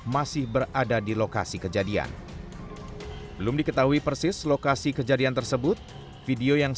masih berada di lokasi kejadian belum diketahui persis lokasi kejadian tersebut video yang